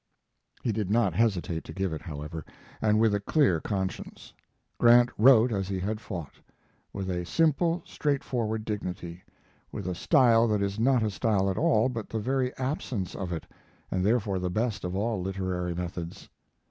He did not hesitate to give it, however, and with a clear conscience. Grant wrote as he had fought; with a simple, straightforward dignity, with a style that is not a style at all but the very absence of it, and therefore the best of all literary methods.